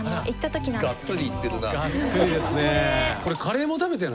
がっつりいってるな。